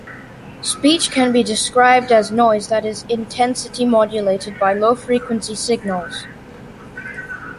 Speech can be described as noise that is intensity-modulated by low-frequency signals.